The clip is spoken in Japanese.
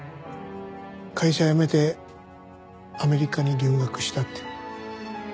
会社辞めてアメリカに留学したって。